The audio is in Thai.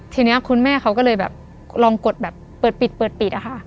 ทีนี้คุณแม่เขาก็เลยแบบลองกดแบบเปิดปิดเปิดปิดอะค่ะ